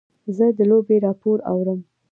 زه د لوبې راپور اورم.